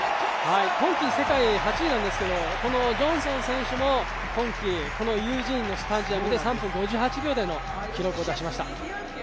今季世界８位なんですけど、このジョンソン選手も今季、ユージーンのスタジアムで３分５８秒台の記録を出しました。